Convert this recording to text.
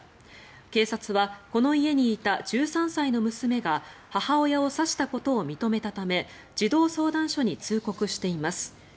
警察はこの家にいた１３歳の娘が母親を刺したことを認めたため児童相談所に通告しています。